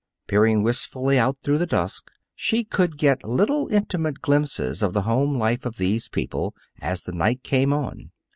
Peering wistfully out through the dusk, she could get little intimate glimpses of the home life of these people as the night came on.